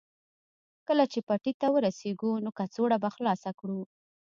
کله چې پټي ته ورسېږو نو کڅوړه به خلاصه کړو